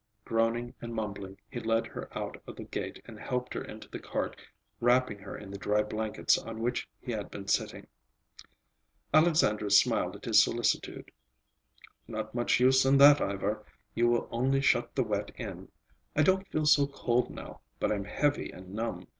Groaning and mumbling he led her out of the gate and helped her into the cart, wrapping her in the dry blankets on which he had been sitting. Alexandra smiled at his solicitude. "Not much use in that, Ivar. You will only shut the wet in. I don't feel so cold now; but I'm heavy and numb.